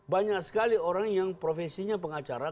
banyak sekali orang yang profesinya pengacara